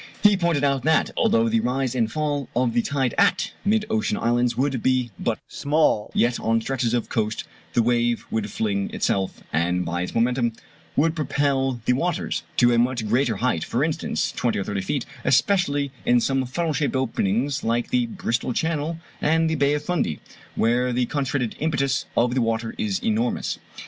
He pointed out that, although the rise and fall of the tide at mid ocean islands would be but small, yet on stretches of coast the wave would fling itself, and by its momentum would propel the waters, to a much greater height for instance, 20 or 30 feet; especially in some funnel shaped openings like the Bristol Channel and the Bay of Fundy, where the concentrated impetus of the water is enormous.